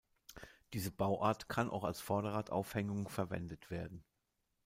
Diese Bauart kann auch als Vorderradaufhängung verwendet werden.